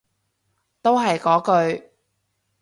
都係嗰句